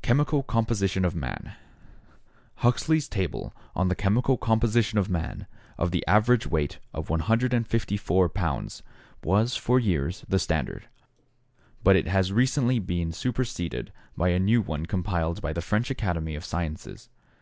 Chemical Composition of Man Huxley's table on the chemical composition of man of the average weight of 154 pounds was for years the standard, but it has recently been superseded by a new one compiled by the French Academy of Sciences.